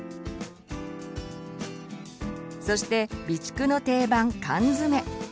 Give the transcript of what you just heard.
そして備蓄の定番缶詰。